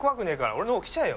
俺の方来ちゃえよ！